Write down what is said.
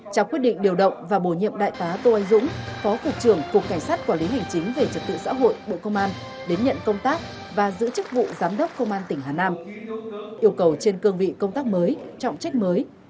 trong quyết định điều động và bổ nhiệm đại tá tô anh dũng phó cục trưởng cục cảnh sát quản lý hành chính về trật tự xã hội bộ công an đến nhận công tác và giữ chức vụ giám đốc công an tỉnh hà nam